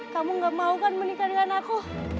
kamu gak mau kan menikah dengan aku